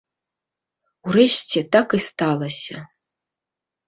Урэшце, так і сталася.